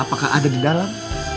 apakah ada di dalam